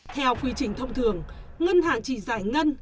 theo quy trình thông thường ngân hàng chỉ giải ngân